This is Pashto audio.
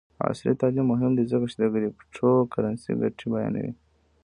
عصري تعلیم مهم دی ځکه چې د کریپټو کرنسي ګټې بیانوي.